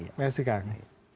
terima kasih kang